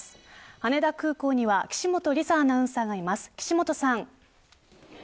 羽田空港には岸本理沙アナウンサーがいます。